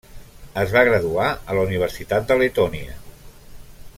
Es va graduar a la Universitat de Letònia.